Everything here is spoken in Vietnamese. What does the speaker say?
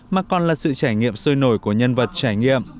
mà còn là sự trải nghiệm sôi nổi của nhân vật trải nghiệm